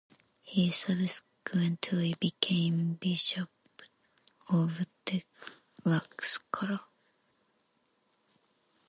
He subsequently became bishop of Tlaxcala.